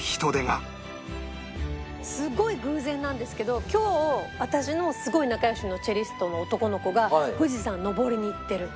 すごい偶然なんですけど今日私のすごい仲良しのチェリストの男の子が富士山登りに行ってる。